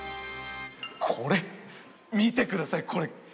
これ見てくださいこれ！